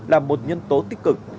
là một nhân tố tích cực